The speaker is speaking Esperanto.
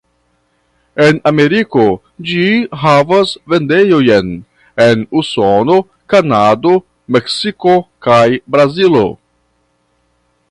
En Ameriko ĝi havas vendejojn en Usono, Kanado, Meksiko kaj Brazilo.